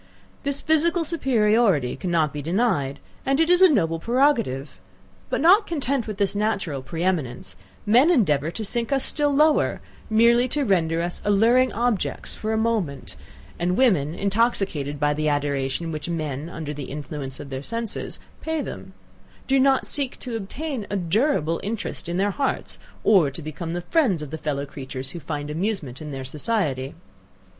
This physical superiority cannot be denied and it is a noble prerogative! But not content with this natural pre eminence, men endeavour to sink us still lower, merely to render us alluring objects for a moment; and women, intoxicated by the adoration which men, under the influence of their senses, pay them, do not seek to obtain a durable interest in their hearts, or to become the friends of the fellow creatures who find amusement in their society.